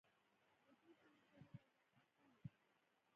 د دې ټولو سره یو ډول خپګان و.